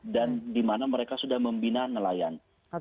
dan dimana mereka sudah membina nelayan